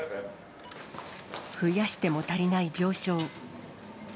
増やしても足りない病床。